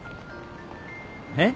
えっ？